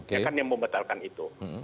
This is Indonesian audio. ya kan yang membatalkan itu